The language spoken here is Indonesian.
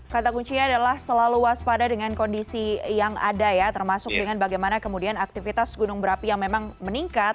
kata kuncinya adalah selalu waspada dengan kondisi yang ada ya termasuk dengan bagaimana kemudian aktivitas gunung berapi yang memang meningkat